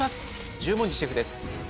十文字シェフです